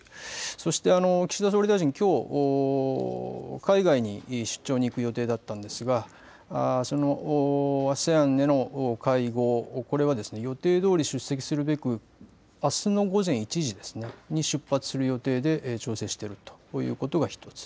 そして岸田総理大臣、きょう海外に出張に行く予定だったんですが、そのＡＳＥＡＮへの会合を、これは予定どおり出席するべく、あすの午前１時に出発する予定で調整しているということが１つ。